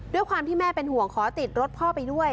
ด้วยความที่แม่เป็นห่วงขอติดรถพ่อไปด้วย